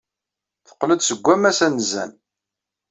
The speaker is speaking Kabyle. Teqqel-d seg wammas anezzan.